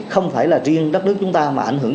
không phải là riêng đất nước chúng ta mà ảnh hưởng